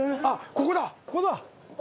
ここだ。